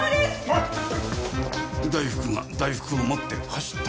大福が大福を持って走ったぞ。